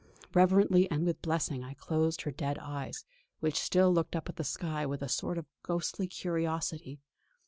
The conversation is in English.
Reverently and with blessing I closed her dead eyes, which still looked up at the sky with a sort of ghostly curiosity.